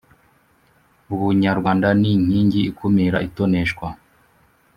Ubunyarwanda ni nkingi ikumira itonesha